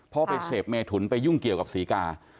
พ่อไปเสพเมถุนไปยุ่งเกี่ยวกับศรีกา